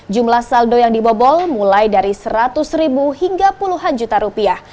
jumlah saldo yang dibobol mulai dari seratus ribu hingga puluhan juta rupiah